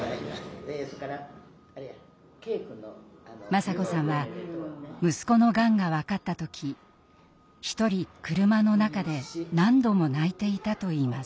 雅子さんは息子のがんが分かった時一人車の中で何度も泣いていたといいます。